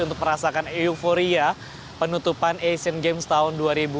untuk merasakan euforia penutupan asian games tahun dua ribu delapan belas